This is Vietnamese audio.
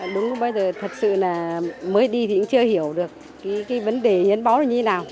đúng bây giờ thật sự là mới đi thì cũng chưa hiểu được cái vấn đề hiến máu như thế nào